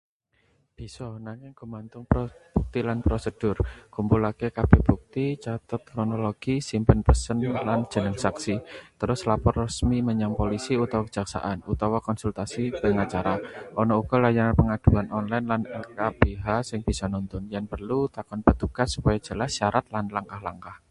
Bisa. Nanging gumantung bukti lan prosedur. Kumpulake kabeh bukti, cathet kronologi, simpen pesen lan jeneng saksi. Terus lapor resmi menyang polisi utawa kejaksaan, utawa konsultasi pengacara. Ana uga layanan pengaduan online lan LKBH sing bisa nuntun. Yen perlu, takon petugas supaya jelas syarat lan langkah-langkah.